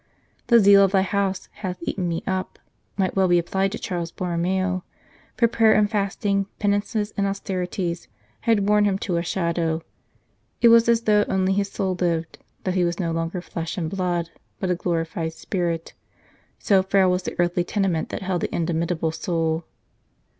"The zeal of Thy house hath eaten me up" might well be applied to Charles Borromeo, for prayer and fasting, penances and austerities, had worn him to a shadow. It was as though only his soul lived, that he was no longer flesh and 123 St. Charles Borromeo blood, but a glorified spirit, so frail was the earthly tenement that held the indomitable soul.